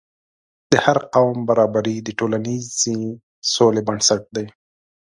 د هر قوم برابري د ټولنیزې سولې بنسټ دی.